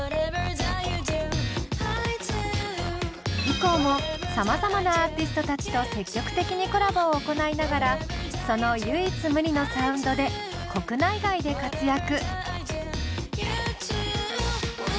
以降もさまざまなアーティストたちと積極的にコラボを行いながらその唯一無二のサウンドで国内外で活躍。